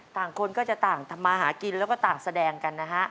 คนก็จะต่างทำมาหากินแล้วก็ต่างแสดงกันนะฮะ